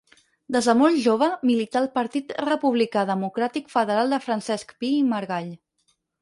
Des de molt jove milità al Partit Republicà Democràtic Federal de Francesc Pi i Margall.